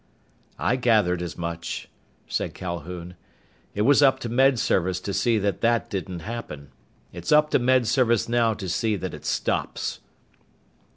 "I gathered as much," said Calhoun. "It was up to Med Service to see that that didn't happen. It's up to Med Service now to see that it stops."